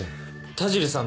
田尻さん